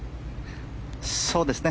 そうですね。